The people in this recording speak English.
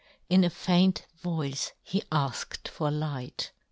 In a faint voice he afked for a light.